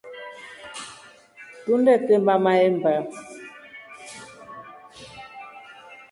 Tunetema mahemba.